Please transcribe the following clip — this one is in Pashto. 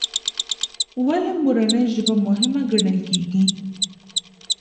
ولې مورنۍ ژبه مهمه ګڼل کېږي؟